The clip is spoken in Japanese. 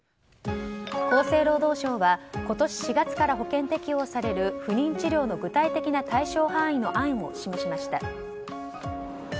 厚生労働省は今年４月から保険適用される不妊治療の具体的な対象範囲の案を示しました。